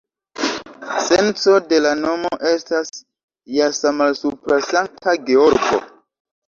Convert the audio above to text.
Senco de la nomo estas jasa-malsupra-Sankta-Georgo.